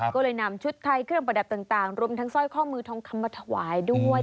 ก็เลยนำชุดไทยเครื่องประดับต่างรวมทั้งสร้อยข้อมือทองคำมาถวายด้วย